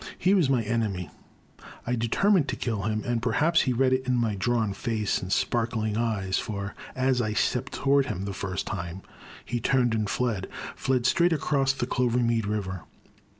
He was my enemy; I determined to kill him, and perhaps he read it in my drawn face and sparkling eyes, for, as I stepped toward him, the first time, he turned and fled — fled straight across the Clover mead River.